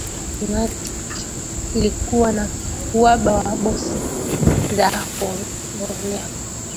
titanic ilikuwa na uhaba wa boti za kuokolea